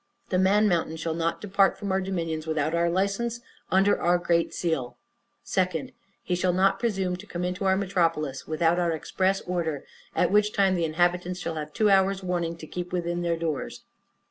The Man Mountain shall not depart from our dominions without our licence under our great seal. 2d. He shall not presume to come into our metropolis without our express order; at which time the inhabitants shall have two hours' warning to keep within their doors.